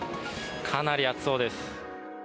かなり暑そうです。